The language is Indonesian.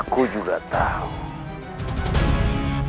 kau mau yang ini